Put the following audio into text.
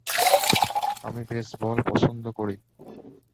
আমি বেসবল পছন্দ করি।